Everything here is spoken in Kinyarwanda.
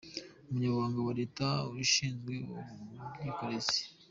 Umunyamabanga wa Leta ushinzwe ubwikorezi,